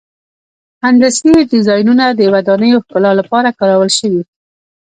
هندسي ډیزاینونه د ودانیو ښکلا لپاره کارول شوي.